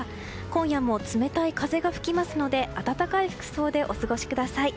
今夜も冷たい風が吹きますので暖かい服装でお過ごしください。